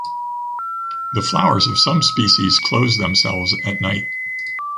The flowers of some species close themselves at night.